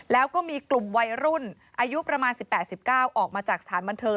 แล้วก็มีกลุ่มวัยรุ่นอายุประมาณสิบแปดสิบเก้าออกมาจากสถานบันเทิง